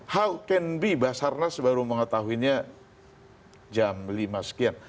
how can be basarnas baru mengetahuinya jam lima sekian